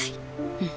うん。